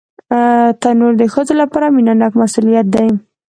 تنور د ښځو لپاره مینهناک مسؤلیت دی